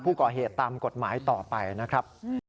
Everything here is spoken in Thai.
ผู้ก่อเหตุตามกฎหมายต่อไปนะครับ